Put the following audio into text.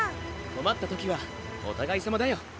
こまったときはおたがいさまだよ。